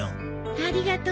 ありがとう。